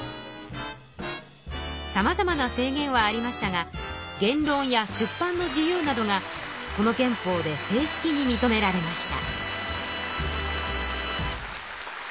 さまざまな制限はありましたが言論や出版の自由などがこの憲法で正式に認められました。